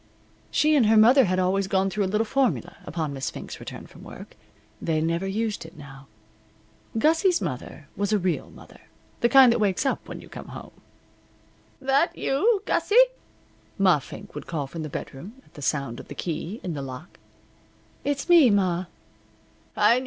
She and her mother had always gone through a little formula upon Miss Fink's return from work. They never used it now. Gussie's mother was a real mother the kind that wakes up when you come home. "That you, Gussie?" Ma Fink would call from the bedroom, at the sound of the key in the lock. "It's me, ma."